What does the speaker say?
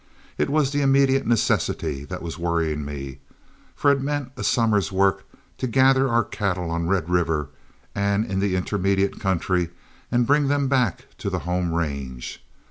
It was the immediate necessity that was worrying me, for it meant a summer's work to gather our cattle on Red River and in the intermediate country, and bring them back to the home range.